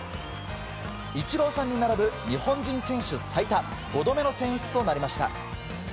イチローさんに並ぶ日本人選手最多５度目の選出となりました。